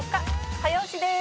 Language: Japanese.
「早押しです」